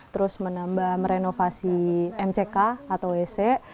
terus menambah merenovasi mck atau wc